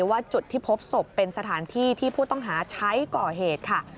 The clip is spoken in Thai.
ว่าจุดที่พบศพเป็นสถานที่ที่ผู้ต้องหาใช้ก่อเหตุค่ะ